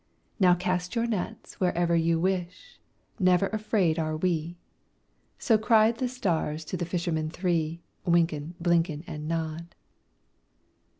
"Now cast your nets wherever you wish,— Never afeard are we!" So cried the stars to the fishermen three, Wynken, Blynken, And Nod.